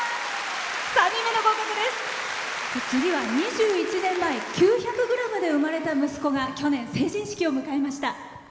次は２１年前９００ｇで生まれた息子が去年、成人式を迎えました。